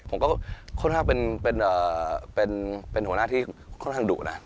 ผมก็ค่อนข้างเป็นหัวหน้าที่ค่อนข้างดุนะ